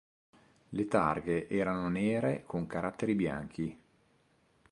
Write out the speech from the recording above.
Le targhe erano nere con caratteri bianchi.